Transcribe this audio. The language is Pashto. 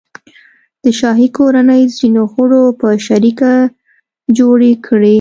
د شاهي کورنۍ ځینو غړو په شریکه جوړې کړي.